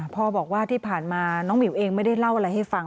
พ่อบอกว่าที่ผ่านมาน้องหมิวเองไม่ได้เล่าอะไรให้ฟัง